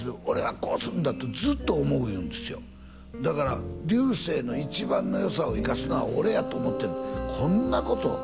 「俺はこうするんだ」とずっと思う言うんですよだから流星の一番の良さを生かすのは俺やと思ってるこんなこと